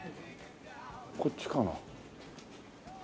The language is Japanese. こっちかな？